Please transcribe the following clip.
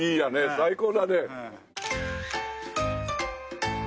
最高だね。